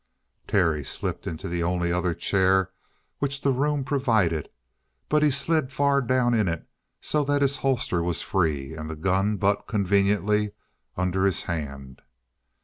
Terry slipped into the only other chair which the room provided, but he slid far down in it, so that his holster was free and the gun butt conveniently under his hand.